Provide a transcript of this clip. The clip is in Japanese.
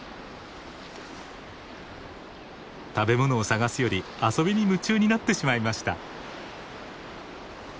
食べ物を探すより遊びに夢中になってしまいました。